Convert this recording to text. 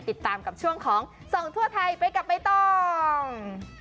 ติดตามกับช่วงของส่องทั่วไทยไปกับใบตอง